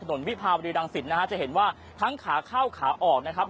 วิภาวรีรังสิตนะฮะจะเห็นว่าทั้งขาเข้าขาออกนะครับ